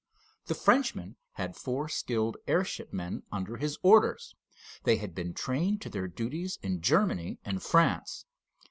The Frenchman had four skilled airship men under his orders. They had been trained to their duties in Germany and France.